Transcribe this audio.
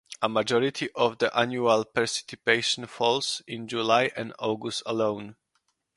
A majority of the annual precipitation falls in July and August alone.